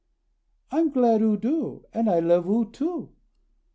"I'm glad oo do; and I love oo too!"